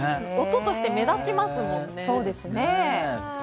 音として目立ちますもんね。